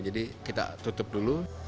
jadi kita tutup dulu